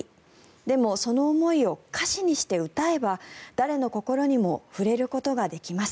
でも、その思いを歌詞にして歌えば誰の心にも触れることができます。